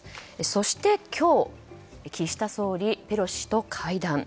そして今日岸田総理、ペロシ氏と会談。